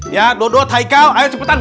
ya dodot haika ayo cepetan bangun